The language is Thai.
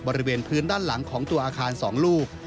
บริเวณพื้นด้านหลังของตัวอาคาร๒ลูก